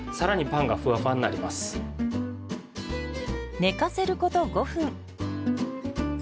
寝かせること５分。